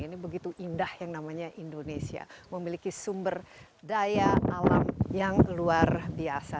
ini begitu indah yang namanya indonesia memiliki sumber daya alam yang luar biasa